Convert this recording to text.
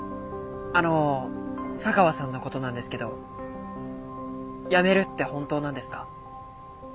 あの茶川さんのことなんですけど辞めるって本当なんですか？